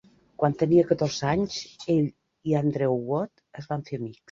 Quan tenia catorze anys, ell i Andrew Wood es van fer amics.